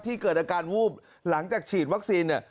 ที่เกิดอาการวูบหลังจากฉีดวัคซีน